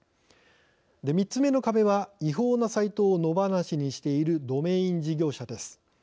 ３つ目の壁は違法なサイトを野放しにしているドメイン事業者です。